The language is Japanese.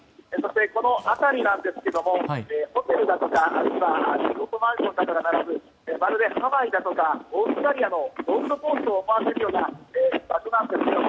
この辺りなんですが、ホテルや地元マンションなどが並ぶまるでハワイだとかオーストラリアのゴールドコーストを思わせるような場所なんですけども。